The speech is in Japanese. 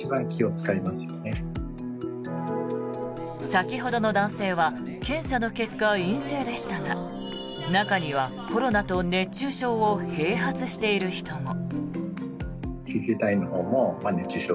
先ほどの男性は検査の結果、陰性でしたが中にはコロナと熱中症を併発している人も。